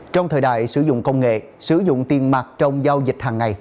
trong thời đại sử dụng công nghệ sử dụng tiền mặt trong giao dịch hàng ngày